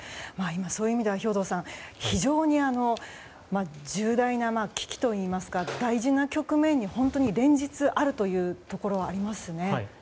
そういう意味では今、重大な危機といいますか大事な局面に連日あるというところがありますね。